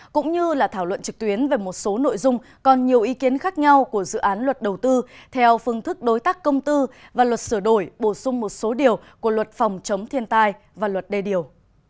cũng như là thảo luận trực tuyến về một số nội dung còn nhiều ý kiến khác nhau của dự án luật đầu tư theo phương thức đối tác công tư và luật sửa đổi bổ sung một số điều của luật phòng chống thiên tai và luật đê điều